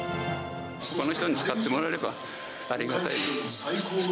ほかの人に使ってもらえれば、ありがたいです。